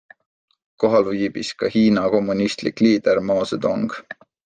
Kohal viibis ka Hiina kommunistlik liider Mao Zedong.